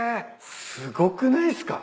すごくないっすか？